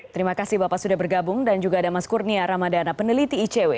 terima kasih bapak sudah bergabung dan juga ada mas kurnia ramadana peneliti icw